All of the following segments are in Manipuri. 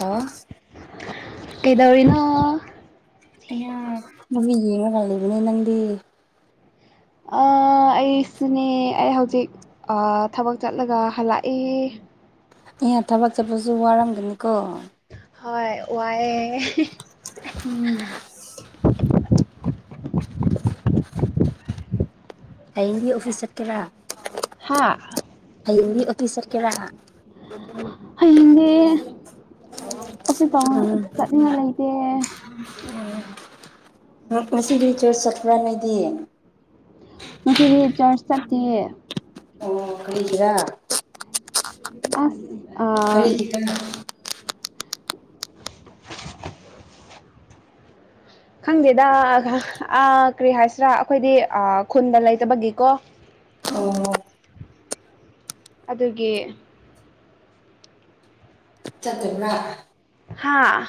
ꯍꯜꯂꯣ ꯀꯩꯗꯧꯔꯤꯅꯣ ꯑꯩꯅ ꯃꯃꯤ ꯌꯦꯡꯉꯒꯂꯩꯕꯅꯦ ꯅꯪꯗꯤ ꯑ ꯑꯩ ꯁꯨꯅꯦ ꯑꯩ ꯍꯧꯖꯤꯛ ꯊꯕꯛ ꯆꯠꯂꯒ ꯍꯜꯂꯛꯏ ꯏ ꯊꯕꯛ ꯆꯠꯄꯁꯨ ꯋꯥꯔꯝꯒꯅꯤꯀꯣ ꯍꯣꯏ ꯋꯥꯏꯌꯦ ꯎꯝ [inaudible] [inaudible] ꯍꯤꯟꯗꯤ ꯑꯣꯐꯤꯁ ꯆꯠꯀꯦꯔꯥ ꯍꯥ ꯍꯤꯟꯗꯤ ꯑꯣꯐꯤꯁ ꯆꯠꯀꯦꯔꯥ [unintelligible] ꯑꯣꯐꯦ ꯇ ꯆꯠꯅꯤꯡꯉ ꯂꯩꯇꯦ ꯉꯁꯤꯗꯤ ꯆꯨꯔꯁ ꯆꯠꯄ꯭ꯔꯥꯅꯦꯗꯤꯌꯦ ꯉꯁꯤꯗꯤ ꯆꯔꯆ ꯆꯠꯇꯦ ꯑꯣ ꯀꯗꯥ ꯑꯁ ꯑꯥ ꯀꯔꯤꯒꯤ ꯀ [inaudible] ꯈꯪꯗꯦꯗ ꯑ ꯀꯔꯤ ꯍꯥꯏꯁꯤꯔꯥ ꯑꯩꯈꯣꯏꯗꯤ ꯈꯨꯟꯗ ꯂꯩꯇꯕꯒꯤꯀꯣ ꯑꯣ ꯑꯗꯨꯒꯤ ꯆꯠꯇꯔꯅꯥ ꯍꯥꯥ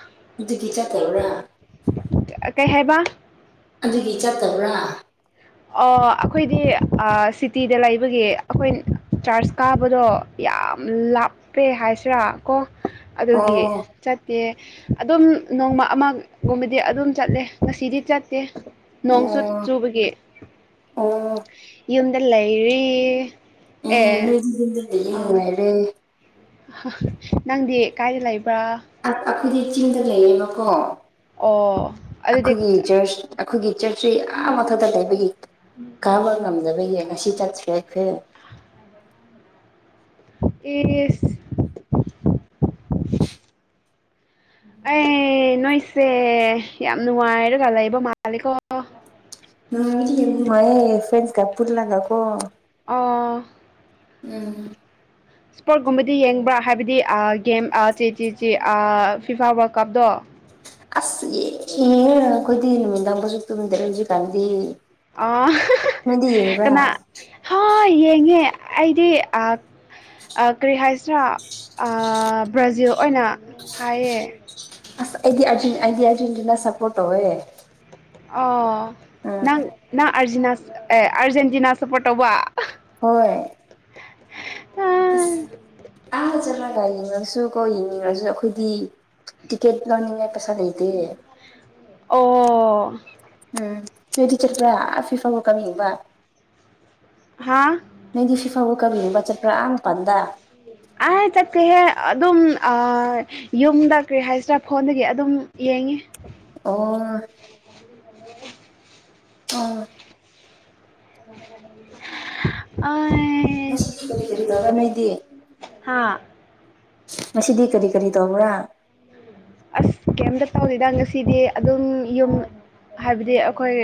ꯀꯩ ꯍꯥꯏꯕ ꯑꯗꯨꯒꯤ ꯆꯠꯇꯕ꯭ꯔꯥ ꯑꯣ ꯑꯩꯈꯣꯏꯗꯤ ꯁꯤꯇꯤꯗ ꯂꯩꯕꯒꯤ ꯑꯩꯈꯣꯏ ꯆꯥꯔꯖ ꯀꯥꯕꯗꯣ ꯌꯥꯝ ꯂꯥꯞꯄꯦ ꯍꯥꯏꯁꯤꯔꯥ ꯀꯣ ꯑꯗꯨꯒꯤ ꯑꯣ ꯆꯠꯇꯦ ꯑꯗꯨꯝ ꯅꯣꯡꯃ ꯑꯃꯒꯨꯝꯕꯗꯤ ꯑꯗꯨꯝ ꯆꯠꯂꯦ ꯉꯁꯤꯗꯤ ꯆꯠꯇꯦ ꯅꯣꯡꯆꯨ ꯆꯨꯕꯒꯤ ꯑ ꯌꯨꯝꯗ ꯂꯩꯔꯤ ꯑꯦ ꯅ ꯍꯥꯏꯔꯦ ꯅꯪꯗꯤꯦ ꯀꯥꯏꯗꯂ ꯑꯩꯈꯣꯏꯗꯤ ꯆꯤꯡꯗ ꯂꯩꯌꯦꯕꯀꯣ ꯑꯣ ꯑꯗꯨꯗꯤ ꯑꯩꯈꯣꯏꯒꯤ ꯖꯔꯁ ꯑꯩꯈꯣꯏꯒꯤ ꯆꯔꯆꯁꯤ ꯑꯥ ꯃꯊꯛꯇ ꯂꯩꯕꯒꯤ ꯀꯥꯕ ꯉꯝꯖꯕ ꯉꯁꯤ ꯆꯠꯠꯁꯈꯦ ꯑꯦꯁ ꯑꯩ ꯅꯣꯏꯁꯦ ꯌꯥꯝ ꯅꯨꯡꯉꯥꯏꯔꯒ ꯂꯩꯕ ꯃꯥꯂꯦꯀꯣ ꯎꯃꯦ ꯐ ꯀ ꯄꯨꯔꯂ ꯀꯀꯣ ꯑꯥ ꯎꯝ ꯏꯁꯄꯣꯔꯠꯀꯨꯝꯕꯗꯤ ꯌꯦꯡꯕ꯭ꯔꯥ ꯍꯥꯏꯕꯗꯤ ꯒꯦꯝ ꯆꯦ ꯆꯦ ꯆꯦ ꯐꯤꯐꯥ ꯋꯥꯔꯜ ꯀꯞꯇꯣ ꯑꯁ ꯑꯦ ꯑꯩꯈꯣꯏꯗꯤ ꯅꯨꯃꯤꯗꯥꯡꯕꯨꯁꯨ ꯇꯨꯝꯗꯔꯦ ꯍꯧꯖꯤꯛꯀꯥꯟꯗꯤ ꯑꯣ ꯅꯣꯏꯗꯤ ꯌꯦꯡꯕ꯭ꯔꯥ ꯀꯅꯥ ꯍꯣꯏ ꯌꯦꯡꯉꯦ ꯑꯩꯗꯤ ꯀꯔꯤꯍꯁꯅ ꯕ꯭ꯔꯥꯖꯤꯜ ꯑꯣꯏꯅ ꯍꯥꯏꯌꯦ ꯑꯁ ꯑꯩꯗꯤ ꯑꯔ ꯑꯩꯗꯤ ꯑꯔꯖꯦꯟꯇꯤꯅꯥ ꯁꯄꯣꯔꯠ ꯇꯧꯋꯦ ꯑꯣ ꯎꯝ ꯅꯪ ꯅꯪ ꯑꯦ ꯑꯥꯔꯖꯦꯟꯇꯤꯅꯥ ꯁꯞꯄꯣꯔꯠ ꯇꯧꯕ ꯍꯣꯏꯣꯏ ꯎꯝ ꯁ ꯀꯣ ꯌꯦꯡꯅꯤꯡꯉꯁꯨ ꯑꯩꯈꯣꯏꯗꯤ ꯇꯤꯛꯀꯦꯠ ꯂꯧꯅꯤꯡꯉꯦ ꯑꯣ ꯎꯝ ꯅ ꯇꯤꯆꯔ ꯐ ꯐ ꯏꯐꯥꯕꯨ ꯀꯃꯤꯕ ꯍꯥ ꯃꯗꯤ ꯁꯤꯐꯕꯨ ꯀꯕꯤꯕꯆꯠꯄ꯭ꯔ ꯑꯝ ꯄꯥꯟꯗ ꯑ ꯆ ꯀ ꯍꯦ ꯑꯗꯨꯝ ꯌꯨꯝꯗ ꯀꯔꯤ ꯍꯥꯏꯁꯤꯔꯥ ꯐꯣꯟꯗꯒꯤ ꯑꯗꯨꯝ ꯌꯦꯡꯉꯤ ꯑꯣ ꯍ ꯑ ꯑ ꯀ ꯐꯔꯤ ꯒꯥ ꯅꯗꯤ ꯍꯥꯥ ꯉꯁꯤꯗꯤ ꯀꯔꯤ ꯀꯔꯤ ꯇꯧꯕ꯭ꯔꯥ ꯑꯁ ꯀꯩꯝꯇ ꯇꯧꯗꯦꯗ ꯉꯁꯤꯗꯤ ꯑꯗꯨꯝ ꯌꯨꯝ ꯍꯥꯏꯕꯗꯤ ꯑꯈꯣꯏ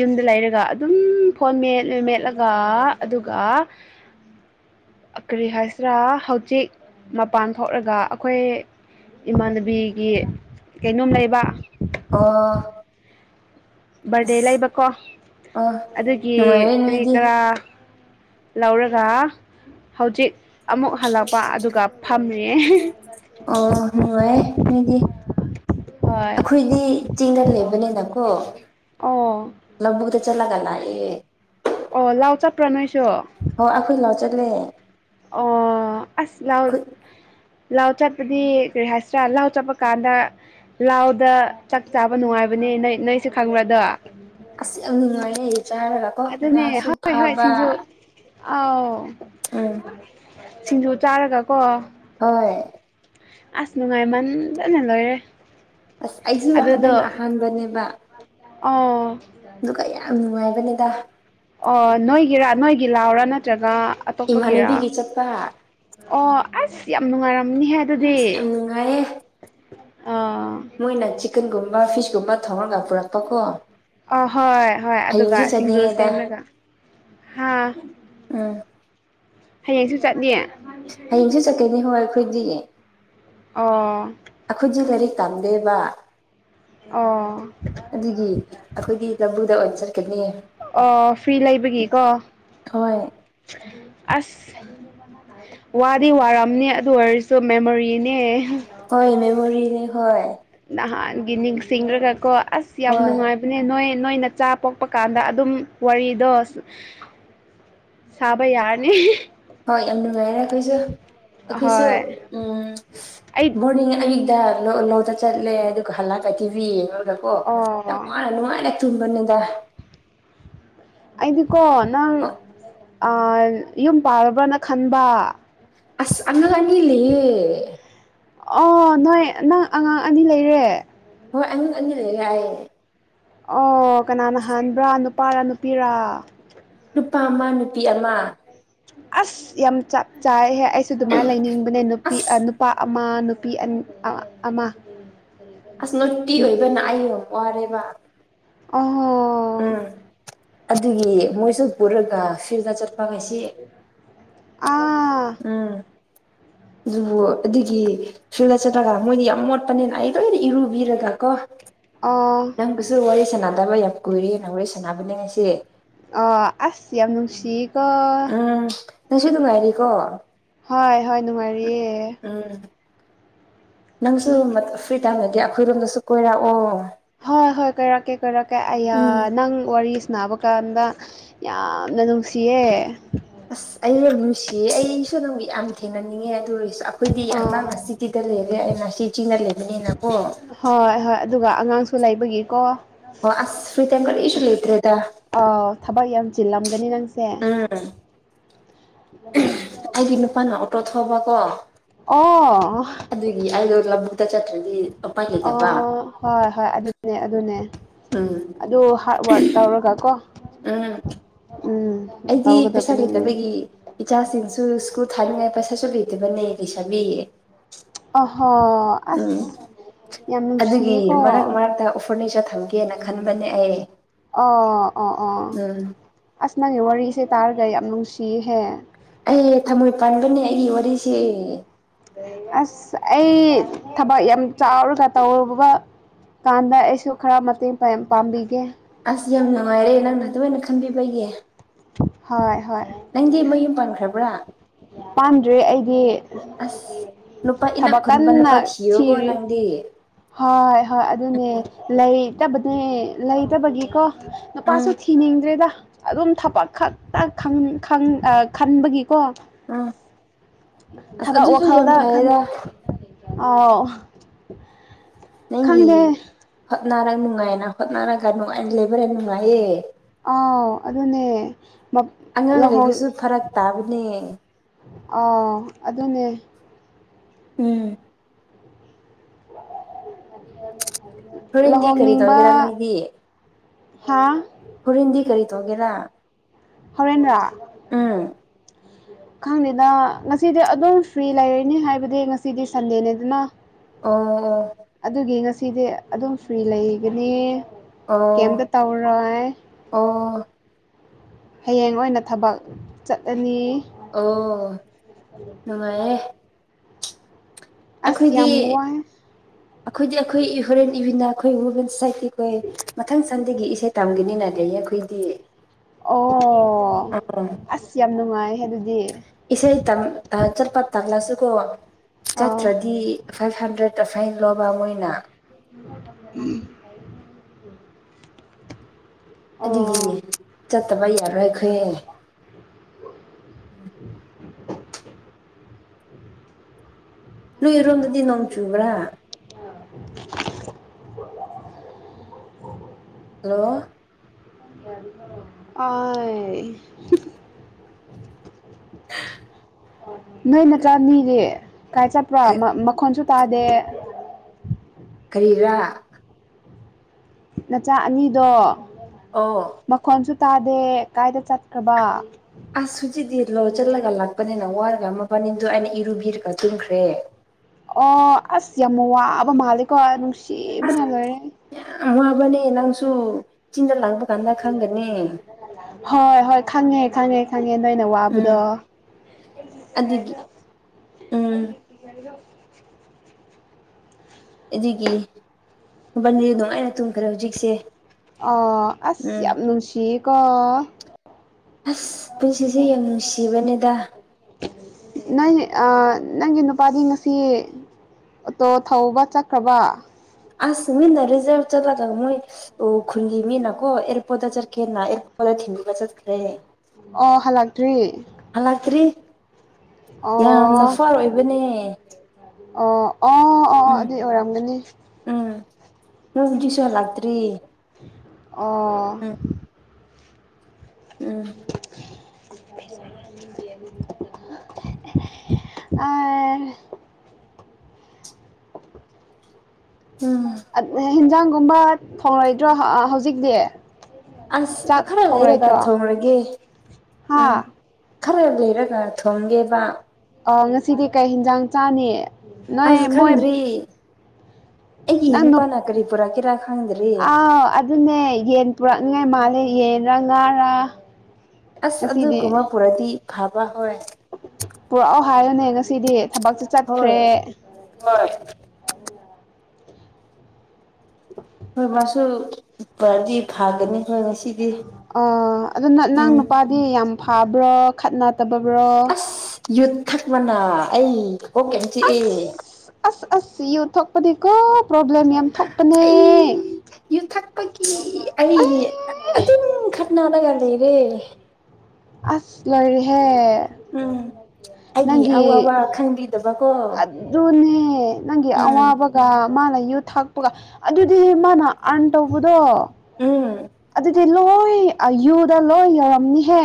ꯌꯨꯝꯗ ꯂꯩꯔꯒ ꯑꯗꯨꯝ ꯐꯣꯟ ꯃꯦꯠꯂ ꯃꯦꯠꯂꯒ ꯑꯗꯨꯒ ꯀꯥ [inaudible] ꯀꯔꯤ ꯍꯥꯏꯁꯤꯔꯥ ꯍꯧꯖꯤꯛ ꯃꯄꯥꯟ ꯊꯣꯛꯂꯒ ꯑꯩꯈꯣꯏ ꯏꯃꯥꯟꯅꯕꯤꯒꯤ ꯀꯩꯅꯣꯝ ꯂꯩꯕ ꯑꯣ ꯕꯥꯔꯗꯦ ꯑꯁ ꯂꯩꯕꯀꯣ ꯑꯣ ꯑꯗꯨꯒꯤ ꯅꯨꯡꯉꯥꯏꯔꯦ ꯀꯔꯤ ꯅꯣꯏꯗꯤ ꯀꯔꯥ ꯂꯧꯔꯒ ꯍꯧꯖꯤꯛ ꯑꯃꯨꯛ ꯍꯜꯂꯛꯄ ꯑꯗꯨꯒ ꯐꯝꯃꯤ ꯑꯣ ꯍꯅꯨꯡꯉ ꯃꯤꯗꯤ ꯍꯣꯏ ꯑꯩꯈꯣꯏꯗꯤ ꯆꯤꯡꯗ ꯂꯩꯕꯅꯤꯅꯀꯣ ꯑꯣ ꯂꯝꯕꯨꯨꯗ ꯆꯂꯒꯂꯑ ꯑꯣ ꯂꯥꯎ ꯆꯠꯄ꯭ꯔꯣ ꯅꯣꯏꯁꯨ ꯍꯣꯏ ꯑꯩꯈꯣꯏ ꯂꯥꯎ ꯆꯠꯂꯦꯦ ꯑꯣ ꯑꯁ ꯂꯥꯎ ꯂꯥꯎ ꯆꯠꯄꯗꯤ ꯀꯔꯤ ꯍꯥꯏꯁꯤ꯭ꯔꯥ ꯂꯥꯎ ꯆꯠꯄ ꯀꯥꯟꯗ ꯂꯥꯎꯗ ꯆꯥꯛ ꯆꯥꯕ ꯅꯨꯡꯉꯥꯏꯕꯅꯦ ꯅ ꯅꯣꯏꯁꯨꯦ ꯈꯪꯕ꯭ꯔꯗꯣ ꯑꯁ ꯌꯥꯝꯅꯤꯡꯉꯥꯏ ꯑꯩ ꯆꯦ ꯍꯥꯏꯔꯒ ꯀꯣ ꯑꯗꯨꯅꯦ ꯉꯥꯁꯨ ꯍꯣꯏ ꯍꯣꯏ ꯐꯥꯕ ꯁꯤꯡꯖꯨ ꯑꯥꯎ ꯎꯝ ꯁꯤꯡꯖꯨ ꯆꯥꯔꯒ ꯀꯣ ꯍꯣꯏ ꯑꯁꯅꯨꯉꯥꯏ ꯏꯟ ꯅ ꯅ ꯂꯣꯏꯔꯦ ꯑꯁ ꯑꯩꯁꯨ ꯍꯟꯗꯛꯅ ꯑꯍꯥꯟꯕꯅꯦꯕ ꯑꯥ ꯑꯗꯨꯒ ꯌꯥꯝ ꯅꯨꯡꯉꯥꯏꯕꯅꯦꯗ ꯑꯣ ꯅꯣꯏꯒꯤꯔꯥ ꯅꯣꯏꯒꯤ ꯂꯥꯎꯔꯥ ꯅꯠꯇ꯭ꯔꯒ ꯑꯇꯣꯞꯄꯒꯤꯔꯥ ꯏꯃꯥꯟꯅꯕꯤꯒꯤ ꯆꯠꯄ ꯑꯣ ꯑꯁ ꯌꯥꯝ ꯅꯨꯡꯉꯥꯏꯔꯝꯃꯅꯤꯍꯦ ꯑꯁ ꯌꯥꯝ ꯅꯨꯡꯉꯥꯏꯌꯦ ꯑꯥ ꯆꯤꯛꯒꯟꯒꯨꯝꯕ ꯐꯤꯁꯒꯨꯝꯕ ꯊꫭꯡꯉ꯭ꯔꯒ ꯄꯨꯔꯛꯄꯀꯣ ꯑ ꯍꯣꯏ ꯍꯣꯏ ꯑꯗꯨꯒ ꯍꯌꯦꯡꯁꯤ ꯁꯤꯡꯖꯨ ꯆꯠꯅꯤꯡꯉꯦꯗ ꯁꯦꯝꯃꯒ ꯍꯥ ꯎꯝ ꯍꯌꯦꯡꯁꯨ ꯆꯠꯅꯤ ꯍꯌꯦꯡꯁꯦ ꯆꯠꯀꯅꯤ ꯍꯣꯏ ꯑꯈꫭꯏꯗꯤꯌꯦ ꯑꯣ ꯇꯥꯝꯗꯦꯕ ꯑꯣ ꯑꯗꯨꯒꯤ ꯑꯈꯣꯏꯒꯤ ꯂꯕꯨꯛꯗ ꯑꫭꯏ ꯀꯅꯤ ꯑꯣ ꯐ꯭ꯔꯤ ꯂꯩꯕꯒꯤ ꯀꯣ ꯍꯣꯏ ꯑꯁ ꯋꯥꯗꯤ ꯋꯥꯔꯝꯅꯤ ꯑꯗꯨ ꯑꯣꯏꯔꯁꯨ ꯃꯦꯃꯣꯔꯤꯅꯦ ꯍꯣꯏ ꯃꯦꯃꫭꯔꯤꯅꯦ ꯍꯣꯏ ꯑꯍꯥꯟꯒꯤ ꯅꯤꯡꯁꯤꯡꯒ꯭ꯔꯒꯀꯣ ꯑꯁ ꯌꯥꯝ ꯍꯣꯏ ꯅꯨꯡꯉꯥꯏꯕꯅꯦ ꯅꯣꯏ ꯅꯣꯏꯅ ꯆꯥ ꯄꯣꯛꯄ ꯀꯥꯟꯗ ꯑꯗꯨꯝ ꯋꯥꯔꯤꯗꯣꯁ ꯁꯥꯕ ꯌꯥꯔꯅꯤ [unintelligible] ꯍꯣꯏ ꯌꯥꯝ ꯅꯨꯡꯉꯥꯏꯔꯦ ꯑꯩꯈꯣꯏꯁꯨ ꯑꯩꯈꯣꯏꯁꯨ ꯑꯍꯣꯏ ꯎꯝ ꯑꯩ ꯕꯣꯔꯅꯤꯡ ꯑꯩ ꯂꯧ-ꯂꯧꯗ ꯆꯠꯂꯦ ꯑꯗꯨꯒ ꯍꯜꯂꯛꯑꯒ ꯀꯤꯕꯤ ꯌꯦꯡꯉ꯭ꯔꯒꯀꯣ ꯌꯥꯝ ꯑꯣ ꯋꯥꯅ ꯅꯨꯡꯉꯥꯏꯔꯦ ꯇꯨꯝꯕꯅꯤꯗ ꯑꯩꯗꯤꯀꯣ ꯅꯪ ꯑ ꯌꯨꯝ ꯄꯥꯂꯕ꯭ꯔꯅ ꯈꯟꯕ ꯑꯁ ꯑꯉꯥꯡ ꯑꯅꯤ ꯂꯩꯌꯦ ꯑꯣ ꯅꯣꯏ ꯅꯪ ꯑꯉꯥꯡ ꯑꯅꯤ ꯂꯩꯔꯦ ꯍꯣꯏ ꯑꯉꯥꯡ ꯑꯅꯤ ꯂꯩꯌꯦ ꯍꯥꯌꯦ ꯑꯣ ꯀꯅꯥꯅ ꯍꯥꯟꯕ꯭ꯔꯥ ꯅꯨꯄꯥꯔ ꯅꯨꯄꯤꯔ ꯅꯨꯄꯥ ꯑꯃ ꯅꯨꯄꯤ ꯑꯃ ꯑꯁ ꯌꯥꯝ ꯆꯛ ꯆꯥꯏꯍꯦ ꯑꯩꯁꯨ ꯑꯗꯨꯃꯥꯏꯅ ꯂꯩꯅꯤꯡꯕꯅꯦ ꯅꯨꯄꯤ ꯑꯁ ꯅꯨꯄꯥ ꯃ ꯅꯨꯄꯤ ꯑꯟ ꯑ-ꯑꯃ ꯑꯁ ꯅꯣꯇꯤ ꯑꯣꯏꯕꯅ ꯑꯩꯕ ꯋꯥꯔꯦꯕ ꯑꯣꯍꯣ ꯎꯝ ꯑꯗꯨꯒꯤ ꯃꯣꯏꯁꯨ ꯄꯨꯔꯒ ꯐꯤꯗ ꯆꯠꯄ ꯉꯁꯤ ꯑꯥ ꯎꯝ ꯑꯗꯨꯕꯨ ꯑꯗꯨꯒꯤ ꯐꯤꯜꯗ ꯆꯠꯇ꯭ꯔꯀꯥꯟꯗ ꯃꯣꯏꯗꯤ ꯌꯥꯝ ꯃꯣꯠꯄꯅꯦꯅ ꯑꯩ ꯂꯣꯏꯅ ꯏꯔꯨꯕꯤꯔꯒ ꯀꯣ ꯑꯣ ꯅꯪꯒꯁꯨ ꯋꯥꯔꯤ ꯁꯥꯟꯅꯗꯕ ꯌꯥꯝ ꯀꯨꯏꯔꯦ ꯅꯪ ꯋꯥꯔꯤ ꯁꯥꯟꯅꯕꯅꯦ ꯉꯁꯤ ꯑ ꯑꯁ ꯌꯥꯝ ꯅꯨꯡꯁꯤꯌꯦ ꯑꯝ ꯅꯁꯨ ꯅꯨꯡꯉꯥꯏꯔꯤꯀꯣ ꯍꯣꯏ ꯍꯣꯏ ꯅꯨꯡꯉꯥꯏꯔꯤꯌꯦ ꯎꯝ ꯅꯪꯁꯨ ꯃꯠ-ꯐ꯭ꯔꯤ ꯇꯥꯏꯝꯗꯒꯤ ꯑꯩꯈꯣꯏꯔꯣꯝꯗꯁꯨ ꯀꯣꯏꯔꯛꯑꯣ ꯍꯣꯏ ꯍꯣꯏ ꯀꯣꯏꯔꯛꯀꯦ ꯀꯣꯏꯔꯛꯀꯦ ꯑꯩꯌꯥ ꯎꯝ ꯅꯪ ꯋꯥꯔꯤ ꯅꯥꯕ ꯀꯥꯟꯗ ꯌꯥꯝꯅ ꯅꯨꯡꯁꯤꯌꯦ ꯑꯁ ꯑꯩꯌꯨ ꯅꯨꯡꯁꯤꯌꯦ ꯑꯩꯁꯨ ꯅꯪꯕꯨ ꯌꯥꯝ ꯊꯦꯡꯅꯅꯤꯡꯉꯦ ꯑꯗꯨ ꯑꫭꯏ ꯑꯈꯣꯏꯗꯤ ꯑꯅꯪ ꯑꯥ ꯁꯤꯒꯤꯗ ꯂꯩꯔꯦ ꯑꯩꯅ ꯁꯤꯆꯤꯡꯗ ꯂꯩꯕꯅꯤꯅꯀꯣ ꯍꯣꯏ ꯍꯣꯏ ꯑꯗꯨꯒ ꯑꯉꯥꯡꯁꯨ ꯂꯩꯕꯒꯤꯀꯣ ꯑꯣ ꯑꯁ ꯐ꯭ꯔꯤ ꯇꯥꯏꯝ ꯀꯔꯤꯁꯨ ꯂꯩꯇ꯭ꯔꯦꯗ ꯑꯧ ꯊꯕꯛ ꯌꯥꯝ ꯆꯤꯂꯝ ꯒꯅꯦ ꯅꯪꯁꯦ ꯎꯝ [unintelligible] ꯑꯩꯒꯤ ꯅꯨꯄꯥꯅ ꯑꯣꯇꯣ ꯊꯧꯕꯀꫭ ꯑꯣ ꯑꯗꯨꯒꯤ ꯑꯩꯗꯣ ꯂꯕꯨꯨꯛꯇ ꯆꯠꯇ꯭ꯔꯗꯤ ꯎꯄꯥꯏ ꯂꯩꯇꯕ ꯑꯣ ꯍꯣꯏ ꯍꯣꯏ ꯑꯗꯨꯅꯦ ꯑꯗꯨꯅꯦ ꯎꯝ ꯑꯗꯨ ꯍꯥꯔꯠ ꯋꯥꯔꯠ ꯇꯧꯔꯒ ꯀꯣ ꯎꯝ ꯎꯝ ꯑꯩꯗꯤ ꯄꯩꯁꯥ ꯇꯧꯒꯗꯕꯅꯤ ꯂꯩꯇꯕꯒꯤ ꯏꯆꯥꯁꯤꯡꯁꯨ ꯁ꯭ꯀꯨꯜ ꯊꯥꯅꯤꯡꯉꯥꯏ ꯄꯩꯁꯥ ꯁꯠꯁꯨꯕꯤꯗꯕꯅꯦ ꯂꯩꯁꯥꯕꯤꯌꯦ ꯑꯍꯣ ꯑꯁ ꯌꯥꯝ ꯅꯨꯡꯁꯤꯌꯦꯀꯣ ꯐꯔꯅꯤꯆꯔ ꯊꯝꯒꯦꯅ ꯈꯟꯕꯅꯦ ꯑꯩ ꯑꯣ ꯑꯣ ꯑꯣ ꯎꯝ ꯑꯁ ꯅꯪꯒꯤ ꯋꯥꯔꯤꯁꯦ ꯇꯥꯔꯒ ꯌꯥꯝ ꯅꯨꯡꯁꯤꯍꯦ ꯑꯩ ꯊꯃꯣꯏ ꯄꯥꯟꯕꯅꯦ ꯑꯩꯒꯤ ꯋꯥꯔꯤꯁꯦ ꯑꯁ ꯑꯩ ꯊꯕꯛ ꯌꯥꯝ ꯆꯥꯎꯔꯒ ꯇꯧꯔꯨꯕꯒ ꯀꯥꯟꯗ ꯑꯩꯁꯨ ꯈꯔ ꯃꯇꯦꯡ ꯄꯥꯡꯕꯤꯒꯦ ꯑꯁ ꯌꯥꯝ ꯅꯨꯡꯉꯥꯏꯔꯦ ꯅꯪꯅ ꯑꯗꯨꯃꯥꯏꯅ ꯈꯟꯕꯤꯕꯒꯤ ꯍꯣꯏ ꯍꯣꯏ ꯅꯪꯗꯤ ꯃꯌꯨꯝ ꯄꯥꯟꯈ꯭ꯔꯕ꯭ꯔꯥ ꯄꯥꯝꯗ꯭ꯔꯦ ꯑꯩꯗꯤ ꯑꯁ ꯅꯨꯄꯥ ꯏꯅꯥꯛ ꯊꯕꯛ ꯈꯨꯟꯕ ꯀꯟꯅ ꯅꯨꯄꯥ ꯊꯤꯌꯣꯀꯣ ꯊꯤꯔꯤ ꯅꯪꯗꯤ ꯍꯣꯏ ꯍꯣꯏ ꯑꯗꯨꯅꯦ ꯂꯩꯇꯕꯅꯦ ꯂꯩꯇꯕꯒꯤꯀꯣ ꯅꯨꯄꯥꯁꯨ ꯎꯝ ꯊꯤꯅꯤꯡꯗ꯭ꯔꯦꯗ ꯑꯗꯨꯝ ꯊꯕꯛ ꯈꯛꯇ ꯈꯟꯕꯒꯤꯀꯣ ꯎꯝ ꯑꯁ ꯊꯕꯥꯛ ꯑꯗꯨꯁꯨ ꯌꯥꯝ ꯋꯥꯈꯥꯎꯗ ꯈꯥꯟ ꯐꯩꯌꯦꯗ ꯑꯥꯎ ꯅꯪꯒꯤ ꯈꯪꯗꯦ ꯍꯣꯠꯅꯔꯒ ꯅꯨꯡꯉꯥꯏꯅ ꯍꯣꯠꯅꯔꯒ ꯅꯨꯡꯉꯥꯏꯅ ꯂꯩꯕ꯭ꯔꯥ ꯅꯨꯡꯉꯥꯏꯌꯦ ꯑꯥꯎ ꯑꯗꯨꯅꯦ ꯑꯉꯥꯡ ꯂꯨꯍꯣꯡ ꯂꯩꯕꯁꯨ ꯐꯔꯛ ꯇꯥꯕꯅꯦ ꯑꯥ ꯑꯗꯨꯅꯦ ꯎꯝ [inaudible] ꯍꯗꯤ ꯀꯔꯤ ꯇꯧꯒꯦꯔꯥ ꯅꯣꯏꯗꯤ ꯍꯥꯥ ꯍꯔꯤꯟꯗꯤ ꯀꯔꯤ ꯊꯣꯛꯒꯦꯔꯥ ꯍꯔꯦꯟꯟ꯭ꯔ ꯑꯥ ꯈꯪꯗꯦꯅ ꯉꯁꯤꯗꯤ ꯑꯗꯨꯝ ꯐ꯭ꯔꯤ ꯂꯩꯔꯣꯏꯅꯤ ꯍꯥꯏꯕꯗꯤ ꯉꯁꯤꯗꯤ ꯁꯟꯗꯦꯅꯦꯗꯅ ꯑꯣ ꯑꯣ ꯑꯗꯨꯒꯤ ꯉꯁꯤꯗꯤ ꯑꯗꯨꯝ ꯐ꯭ꯔꯤ ꯂꯩꯒꯅꯤ ꯑꯣ ꯑꯣ ꯀꯩꯝꯇ ꯇꯧꯔ ꯑꯣ ꯍꯌꯦꯡ ꯑꯣꯏꯅ ꯊꯕꯛ ꯆꯠꯂꯅꯤ ꯑꯣ ꯅꯨꯡꯉꯥꯏꯦ ꯑꯁꯤꯁ ꯌꯥꯝ ꯌꯥꯝꯕꯋꯥꯏ ꯑꯩꯈꯣꯏꯗꯤ ꯑꯩꯈꯣꯏ ꯍꯣꯔꯦꯟ ꯏꯕꯤꯅꯥ ꯑꯩꯈꯣꯏ ꯋꯨꯃꯦꯟ ꯁꯁꯥꯏꯠꯇꯤ ꯑꯩꯈꯣꯏ ꯃꯊꯪ ꯁꯪꯗꯒꯤ ꯏꯁꯩ ꯇꯝꯒꯅꯤꯅꯗꯤ ꯑꯩꯈꯣꯏꯗꯤ ꯑꯣ ꯑꯥ ꯑꯁ ꯌꯥꯝ ꯅꯨꯡꯉꯥꯏꯦ ꯑꯗꯨꯗꯤ ꯏꯁꯩ ꯆꯠꯄ ꯇꯝꯂꯁꯨꯀꯣ ꯑꯥ ꯆꯠꯇ꯭ꯔꯗꯤ ꯐꯥꯏꯚ ꯍꯟꯗ꯭ꯔꯦꯠ ꯐꯥꯏ ꯂꯣꯕꯥꯕꯨꯣꯏꯅ [inaudible] ꯑꯗꯨꯒꯤ ꯑꯣ ꯆꯠꯇꯕ ꯌꯥꯔꯣꯏ ꯑꯩꯈꯣꯏꯍ ꯂꯨꯏꯔꯣꯗꯗꯤ ꯅꯅꯥꯧ ꯆꯕ꯭ꯔ ꯍꯜꯂꯣ ꯑꯣ [inaudible] ꯅꯣꯏ ꯅꯠꯇ꯭ꯔꯅꯤꯔꯦ ꯀꯥꯏ ꯆꯠꯄ꯭ꯔꯥ ꯃꯈꯣꯟꯁꯨ ꯇꯥꯗꯦ ꯀꯔꯤꯔꯥ ꯅꯆꯥ ꯑꯅꯤꯗꯣ ꯑꯣ ꯃꯈꯣꯟꯁꯨ ꯇꯥꯗꯦ ꯀꯥꯏꯗ ꯆꯠꯈ꯭ꯔꯕ ꯑꯁ ꯁꯨꯖꯤꯗꯤ ꯂꯣ ꯆꯠꯂꯒ ꯂꯥꯛꯄꯅꯤꯅ ꯋꯥꯔ ꯃꯕꯥꯅꯤꯟꯗꯨꯣ ꯑꯩꯅ ꯏꯔꯨꯕꯤꯔꯒ ꯆꯨꯝꯈ꯭ꯔꯦ ꯑꯣ ꯑꯁ ꯌꯥꯝꯃꯨ ꯋꯥ ꯑꯕ ꯃꯥꯂꯀꯣ ꯅꯨꯡ ꯁꯤ ꯑꯁ ꯅꯥ ꯂꯅꯦ ꯌꯥꯝ ꯋꯥꯕꯅꯦ ꯅꯪꯁꯨ ꯆꯤꯡꯗ ꯂꯥꯛꯄ ꯀꯥꯟꯗ ꯈꯪꯒꯅꯤ ꯍꯣꯏ ꯍꯣꯏ ꯈꯪꯉꯦ ꯈꯪꯉꯦ ꯈꯉꯦ ꯉꯦꯟꯗ ꯑꯣꯏꯅ ꯎꯝ ꯋꯥꯕꯗꯣ ꯍꯣ ꯑꯗꯨꯒꯤ ꯎꯝ ꯑꯗꯨꯒꯤ ꯕꯟꯅꯤꯗꯨ ꯅꯨꯡꯉꯥꯏꯅ ꯇꯨꯝꯈ꯭ꯔꯦ ꯍꯧꯖꯤꯛꯁꯦ ꯑ ꯑꯁ ꯎꯝ ꯌꯥꯝ ꯅꯨꯡꯁꯤꯌꯦꯀꯣ ꯑꯁ ꯄꯨꯟꯁꯤꯁꯦ ꯌꯥꯝ ꯅꯨꯡꯁꯤꯕꯅꯦꯗ ꯅꯣꯏ ꯅꯪꯒꯤ ꯅꯨꯄꯥꯗꯤ ꯉꯁꯤ ꯇꯣ ꯊꯧꯕ ꯆꯠꯈ꯭ꯔꯕ ꯑꯁ ꯃꯤꯅ ꯔꯔꯤꯖꯔ ꯆꯂ ꯃꯣꯏ ꯑꯣ ꯈꯨꯟꯂꯤꯃꯤꯅꯥ ꯀꯣ ꯑꯦꯔ ꯄꯣꯗ ꯆꯔ ꯈꯦꯅ ꯑꯦꯔ ꯄꯣ ꯊꯤꯟꯕꯤꯕ ꯆ ꯈꯦꯔꯦ ꯑꯣ ꯍꯜꯂꯛꯇ꯭ꯔꯤ ꯌꯥꯝꯅ ꯑꯣ ꯑꯣ ꯐꯥꯔ ꯑꯣꯏꯕꯅꯦ ꯑꯣ ꯑꯣ ꯑꯣ ꯎꯝ ꯑꯗꯨ ꯑꯣꯏꯔꯝꯒꯅꯤ ꯎꯝ ꯅꯪ ꯁꯣꯂ ꯑꯥꯛꯇ꯭ꯔꯤ ꯑꯣ ꯎꯝ [inaudible] ꯑ ꯎꯝ ꯍꯤꯟꯖꯥꯡꯒꯨꯝꯕ ꯊꯣꯡꯂꯣꯏꯗ꯭ꯔꯣ ꯍꯧꯖꯤꯛꯇꯤ ꯑꯁ ꯆꯥꯛ ꯈꯔ ꯂꯩꯔꯦꯒꯥ ꯊꯣꯡꯂꯣꯏꯗ꯭ꯔꯣ ꯊꯣꯡꯔꯒꯦ ꯍꯥ ꯎꯝ ꯈꯔ ꯂꯩꯔꯒ ꯊꯣꯡꯒꯦꯕ ꯑ ꯉꯁꯤꯗꯤ ꯀꯩ ꯍꯤꯟꯖꯥꯡ ꯆꯥꯅꯤ ꯑꯁ ꯅꯣꯏ ꯃꯣꯏ ꯈꯪꯗ꯭ꯔꯤ ꯑꯩꯒꯤ ꯅꯪ ꯅꯨꯄꯥꯅ ꯀꯔꯤ ꯄꯨꯔꯛꯀꯦꯔꯥ ꯈꯪꯗ꯭ꯔꯤ ꯑꯥꯎ ꯑꯗꯨꯅꯦ ꯌꯦꯟ ꯄꯨꯔꯛꯅꯤꯉꯥꯏ ꯃꯥꯂꯦ ꯌꯦ ꯔ ꯉꯥꯔ ꯑꯁ ꯑꯗꯨꯒꯨꯝꯕ ꯄꯨꯔꯗꯤ ꯐꯕ ꯍꯣꯏ ꯄꯨꯔꯛꯑꯣ ꯍꯥꯏꯌꯨꯅꯦ ꯉꯁꯤꯗꯤ ꯊꯕꯛꯁꯦ ꯍꯣꯏ ꯆꯠꯈ꯭ꯔꯦ ꯍꯣꯏ ꯍꯣꯏ ꯃꯥꯁꯨꯣ ꯑ ꯑꯗꯨ ꯅꯪ ꯎꯝ ꯅꯨꯄꯥꯗꯤ ꯌꯥꯝ ꯐꯥꯕ꯭ꯔꯣ ꯈꯠꯅ ꯑꯁ ꯌꯨꯠ ꯊꯛꯕꯅ ꯑꯩ ꯍ ꯀ ꯆꯤꯑ ꯑꯁ ꯑꯁ ꯑꯁ ꯌꯨ ꯊꯣꯛꯄꯅꯦꯀꯣ ꯄ꯭ꯔꯣꯕ꯭ꯂꯦꯝ ꯌꯥꯝ ꯊꯣꯛꯄꯅꯦ ꯑꯩ ꯌꯨ ꯑꯩ ꯑꯩ ꯑꯗꯨꯝ ꯈꯠꯅꯥꯗꯒ ꯂꯩꯔꯦ ꯑꯁ ꯂꯩꯔꯤꯍꯦ ꯎꯝ ꯑꯩꯒꯤ ꯅꯪꯒꯤ ꯑꯋꯥꯕ ꯈꯪꯕꯤꯗꯕꯀꯣ ꯑꯣꯅꯦ ꯅꯪꯒꯤ ꯎꯝ ꯑꯋꯥꯕꯒ ꯃꯥꯅ ꯌꯨ ꯊꯥꯛꯄꯒ ꯑꯗꯨꯗꯤ ꯃꯥꯅ ꯑꯥꯔꯟ ꯇꯧꯕꯗꯣ ꯎꯝ ꯑꯗꯨꯗꯤ ꯂꯣꯏ ꯑꯌꯨꯗ ꯂꯣꯏ ꯌꯧꯔꯝꯅꯤꯍꯦ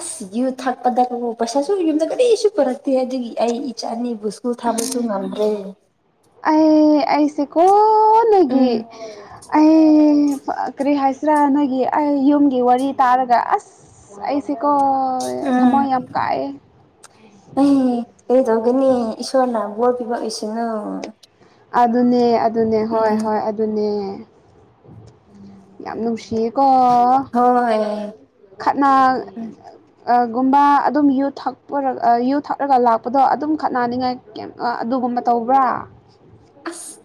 ꯑꯁ ꯌ ꯊꯥꯛꯄꯗ ꯄꯩꯁꯥꯁꯨ ꯌꯨꯝꯗ ꯀꯔꯤꯁꯨ ꯄꯨꯔꯛꯇꯦ ꯑꯗꯨꯒꯤ ꯑꯩ ꯏꯆꯥꯅꯤ ꯕꯨꯁꯨꯀꯨ ꯊꯥꯣꯏ ꯆꯨꯝ ꯉꯝ꯭ꯔꯦ ꯑꯩ ꯑꯩꯁꯤꯀꯣ ꯅꯒꯤ ꯎꯝ ꯑ ꯄ ꯀꯔꯤ ꯍꯥꯏꯁ ꯔ ꯅꯣꯏꯒꯤ ꯑꯩ ꯌꯨꯝꯒꯤ ꯋꯥꯔꯤ ꯇꯥꯔꯒ ꯑꯁ ꯑꯩꯁꯤꯀꯣ ꯎꯝ ꯑ ꯇꯒꯅꯤꯁꯣꯔꯅꯥꯝ ꯋꯥꯔ ꯄꯤꯕ ꯑꯩꯁꯤꯅ ꯑꯗꯨꯅꯦ ꯑꯗꯨꯅꯦ ꯍꯣꯏ ꯍꯣꯏ ꯑꯗꯨꯅꯦ ꯌꯥꯝ ꯅꯨꯡꯁꯤꯌꯦꯦꯀꯣ ꯍꯣꯏ ꯈꯠꯅ ꯎꯝ ꯒꯨꯝꯕ ꯑꯗꯨꯝ ꯌꯨ ꯊꯛꯄ ꯌꯨ ꯊꯛꯂꯒ ꯂꯥꯛꯄꯗꯣ ꯑꯗꯨꯝ ꯈꯠꯅꯅꯤꯡꯉꯥꯏ ꯑꯗꯨꯒ ꯀꯨꯝꯕ ꯇꯧꯕ꯭ꯔꯥ ꯑꯁ